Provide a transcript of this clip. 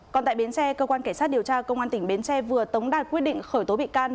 còn tại bến xe cơ quan cảnh sát điều tra công an tỉnh bến tre vừa tống đạt quyết định khởi tố bị can